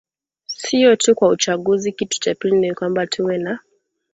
siyo tu kwa uchaguzi kitu cha pili ni kwamba tuwe na